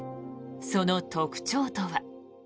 その特徴とは。